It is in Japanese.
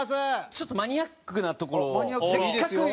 ちょっとマニアックなところを。